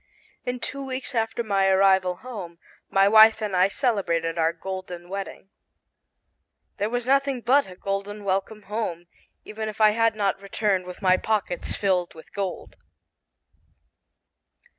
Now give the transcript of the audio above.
In two weeks after my arrival home my wife and I celebrated our golden wedding. There was nothing but a golden welcome home, even if I had not returned with my pockets filled with gold.